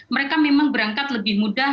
mereka memang berangkat lebih mudah